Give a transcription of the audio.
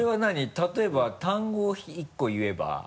例えば単語を１個言えば。